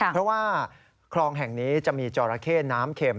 เพราะว่าคลองแห่งนี้จะมีจอราเข้น้ำเข็ม